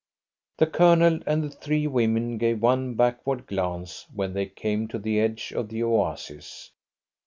The Colonel and the three women gave one backward glance when they came to the edge of the oasis.